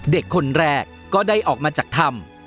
เด็กคนแรกก็ได้ออกมาจากธรรม